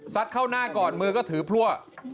เข้าหน้าก่อนมือก็ถือพลั่ว